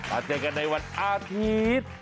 เจอกันในวันอาทิตย์